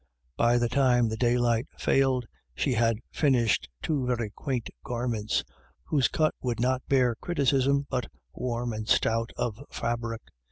By the time the daylight failed, she had finished two very quaint garments, whose cut would not bear criticism, but warm and stout of fabric.